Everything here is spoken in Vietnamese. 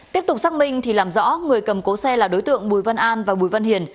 tiếp tục xác minh thì làm rõ người cầm cố xe là đối tượng bùi văn an và bùi văn hiền